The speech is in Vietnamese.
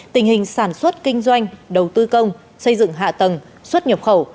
tình hình sản xuất kinh doanh đầu tư công xây dựng hạ tầng xuất nhập khẩu